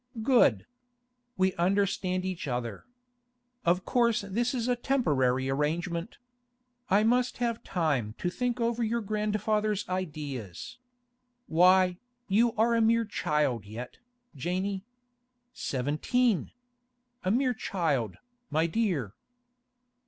'Good. We understand each other. Of course this is a temporary arrangement. I must have time to think over grandfather's ideas. Why, you are a mere child yet, Janey. Seventeen! A mere child, my dear!